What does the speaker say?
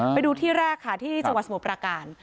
ไปดูที่แรกค่ะที่สวรรค์สมุทรปราการ